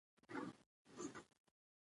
افغانستان د فاریاب د ساتنې لپاره قوانین لري.